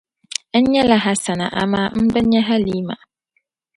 N nyala Hasana amaa m bi nya Halima.